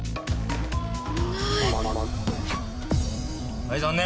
はい残念。